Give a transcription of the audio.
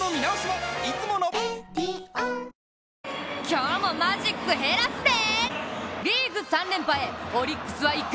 今日もマジック減らすで！